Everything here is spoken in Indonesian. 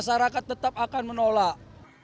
masyarakat tetap akan menolak